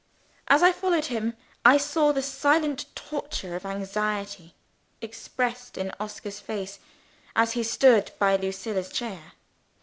As I followed him, I saw the silent torture of anxiety expressed in Oscar's face as he stood by Lucilla's chair.